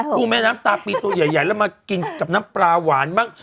กุ้งแม่น้ำตาปีตัวใหญ่แล้วมากินกับน้ำปลาหวานบ้าง